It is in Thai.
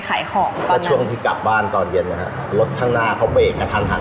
ขายของก็ช่วงที่กลับบ้านตอนเย็นนะฮะรถข้างหน้าเขาเบรกกระทันหัน